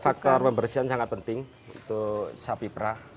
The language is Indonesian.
faktor pembersihan sangat penting untuk sapi perah